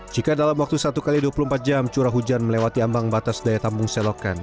jika dalam waktu satu x dua puluh empat jam curah hujan melewati ambang batas daya tambung selokan